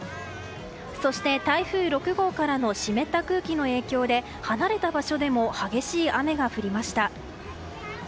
そして、台風６号からの湿った空気の影響で離れた場所でも激しい雨が降りました。